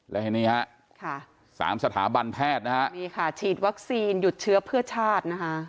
และนี่๓สถาบันแพทย์ชีดวัคซีนหยุดเชื้อเพื่อชาติ